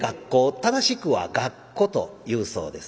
正しくは「学光」と言うそうです。